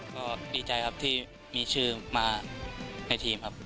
ก็ดีใจครับที่มีชื่อมาในทีมครับ